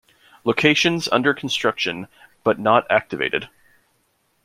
Locations under construction but not activated.